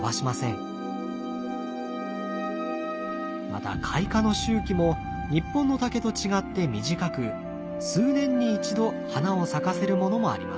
また開花の周期も日本の竹と違って短く数年に一度花を咲かせるものもあります。